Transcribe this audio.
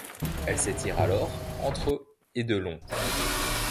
Elle s'étire alors entre et de long.